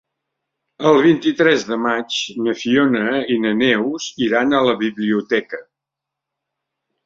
El vint-i-tres de maig na Fiona i na Neus iran a la biblioteca.